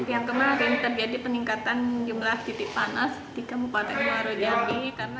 yang kemarin terjadi peningkatan jumlah titik panas di kabupaten muaro jambi